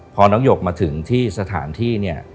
พอน้องหยกมาถึงที่สถานที่เนี่ย